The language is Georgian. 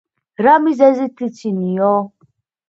რა მიზეზით იცინიო?